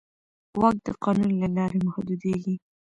واک د قانون له لارې محدودېږي.